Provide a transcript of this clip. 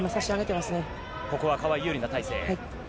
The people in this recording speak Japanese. ここは、川井、有利な体勢。